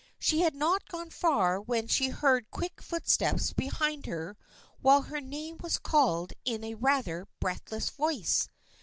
She had not gone far when she heard quick foot steps behind her while her name was called in a rather breathless voice.